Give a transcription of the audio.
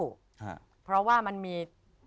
ทฤษฐศ์เพราะว่ามันมี